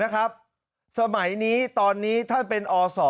สมัยนี้ตอนนี้ท่านเป็นอศ